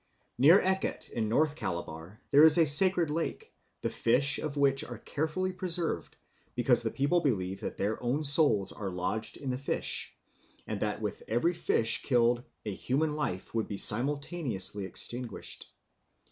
Near Eket in North Calabar there is a sacred lake, the fish of which are carefully preserved because the people believe that their own souls are lodged in the fish, and that with every fish killed a human life would be simultaneously extinguished.